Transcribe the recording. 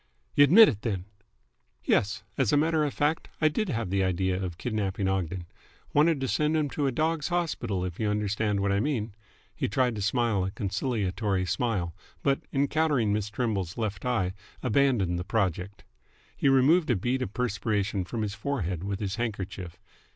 "Y' admit it, then?" "Yes. As a matter of fact, I did have the idea of kidnapping Ogden. Wanted to send him to a dogs' hospital, if you understand what I mean." He tried to smile a conciliatory smile, but, encountering Miss Trimble's left eye, abandoned the project. He removed a bead of perspiration from his forehead with his handkerchief.